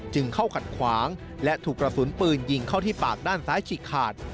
จึงเข้าขัดขวางและถูกกระสุนปืนยิงเข้าที่ปากด้านซ้ายฉีกขาด